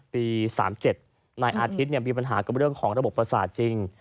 ปี๓๗นายอาทิตย์มีปัญหากับเรื่องของระบบประสาทจริง